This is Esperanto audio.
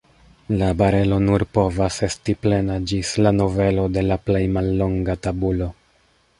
La barelo nur povas esti plena ĝis la novelo de la plej mallonga tabulo.